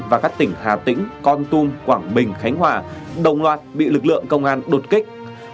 và các tỉnh hà tĩnh con tum quảng bình khánh hòa đồng loạt bị lực lượng công an đột kích